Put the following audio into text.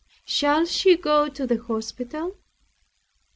Shall she go to the hospital?